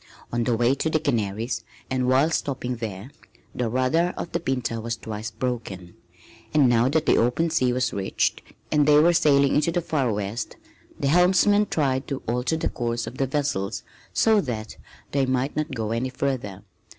On the way to the Canaries and while stopping there, the rudder of the Pinta was twice broken; and now that the open sea was reached and they were sailing into the far west, the helmsmen tried to alter the course of the vessels so that they might not go any further.